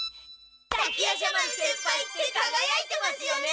滝夜叉丸先輩ってかがやいてますよね！